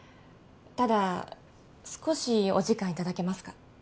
ただ少しお時間いただけますか？